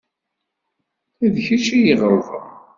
D kečč i iɣelḍen